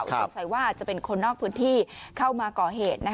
สงสัยว่าจะเป็นคนนอกพื้นที่เข้ามาก่อเหตุ